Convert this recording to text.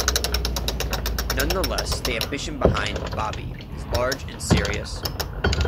Nonetheless the ambition behind "Bobby" is large and serious.